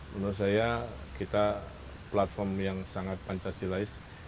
menurut saya kita platform yang sangat pancasila is